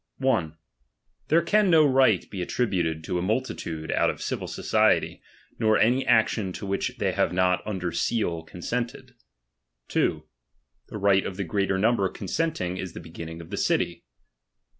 « X. There can no right be attributed to a multitude out of civil r society, nor any action to which they have not under seal con W sented. 2. The right of the greater number consenting, is the W begioning of a city.